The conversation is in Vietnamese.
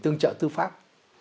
tương trợ tư pháp